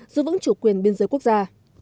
giữ vững chủ quyền biên giới quốc gia